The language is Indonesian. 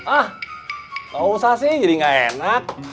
ah gak usah sih jadi gak enak